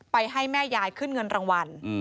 ให้แม่ยายขึ้นเงินรางวัล